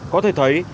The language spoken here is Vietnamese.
có thể thấy